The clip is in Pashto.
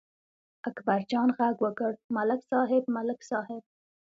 اکبرجان غږ وکړ: ملک صاحب، ملک صاحب!